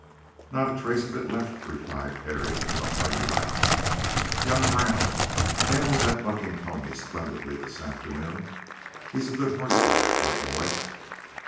"Not a trace of it left," replied Parry, with a hearty laugh. "Young Brown handled that bucking pony splendidly this afternoon. He's a good horseman for a boy."